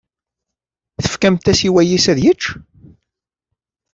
Tefkamt-as i wayis ad yečč?